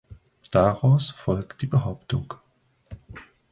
Daraus folgt die Behauptung.